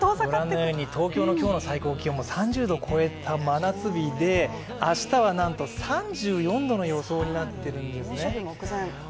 ご覧のように今日の東京の最高気温は３０度を超えた真夏日で、明日はなんと３４度の予想になっているんですね猛暑日目前。